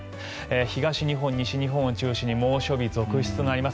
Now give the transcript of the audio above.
東日本、西日本を中心に猛暑日続出となります。